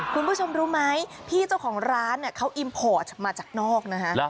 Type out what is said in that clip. คุณผู้ชมรู้ไหมพี่เจ้าของร้านเขาอิมพอร์ตมาจากนอกนะฮะ